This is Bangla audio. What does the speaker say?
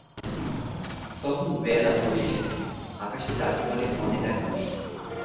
তখন বেলা পড়ে এসেছে, আকাশে যাকে বলে কনে-দেখা মেঘ।